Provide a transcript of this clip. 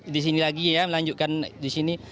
di sini lagi ya melanjutkan di sini